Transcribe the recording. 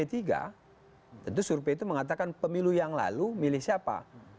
tentu survei itu mengatakan pemilu yang lalu milih siapa